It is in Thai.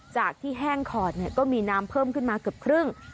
จากที่แห้งขอดก็มีน้ำเพิ่มขึ้นมาเกือบครึ่ง